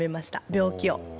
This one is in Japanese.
病気を。